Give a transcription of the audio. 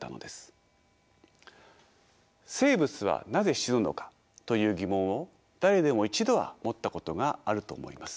生物はなぜ死ぬのかという疑問を誰でも一度は持ったことがあると思います。